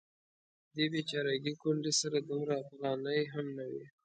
دې بیچارګۍ کونډې سره دومره افغانۍ هم نه وې.